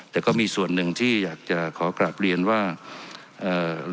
แต่ก็มีส่วนหนึ่งที่อยากจะขอกลับเรียนว่าเอ่อ